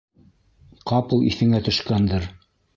Ҡапыл иҫенә төшкәндер.